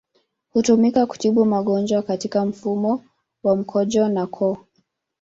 Hutumika kutibu magonjwa katika mfumo wa mkojo na koo.